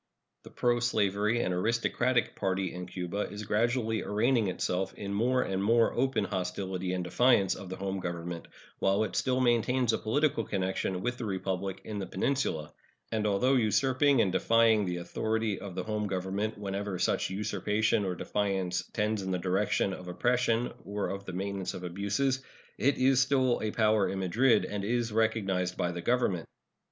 The proslavery and aristocratic party in Cuba is gradually arraigning itself in more and more open hostility and defiance of the home government, while it still maintains a political connection with the Republic in the peninsula; and although usurping and defying the authority of the home government whenever such usurpation or defiance tends in the direction of oppression or of the maintenance of abuses, it is still a power in Madrid, and is recognized by the Government.